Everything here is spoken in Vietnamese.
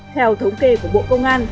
theo thống kê của bộ công an